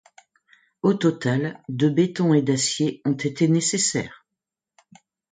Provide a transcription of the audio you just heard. Au total, de béton et d’acier ont été nécessaires.